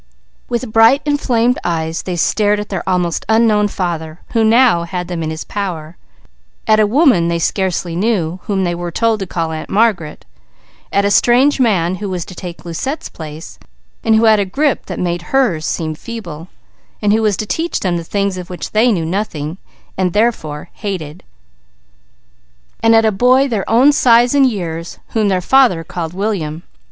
With bright inflamed eyes they stared at their almost unknown father, who now had them in his power; at a woman they scarcely knew, whom they were told to call Aunt Margaret; at a strange man who was to take Lucette's place, and who had a grip that made hers seem feeble, and who was to teach them the things of which they knew nothing, and therefore hated; and at a boy nearer their own size and years, whom their father called William.